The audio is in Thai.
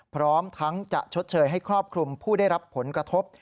พร้อมทั้งจะชดเชยให้ครอบคลุมผู้ได้รับผลกระทบ